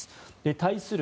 対する